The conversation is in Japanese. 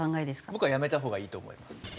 僕はやめたほうがいいと思います。